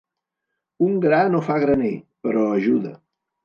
Un gra no fa graner, però ajuda.